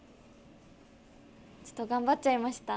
ちょっと頑張っちゃいました。